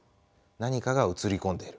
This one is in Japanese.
何かが映り込んでいる。